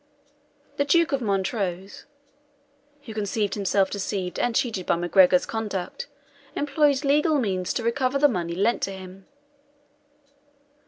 The Duke of Montrose, who conceived himself deceived and cheated by MacGregor's conduct, employed legal means to recover the money lent to him.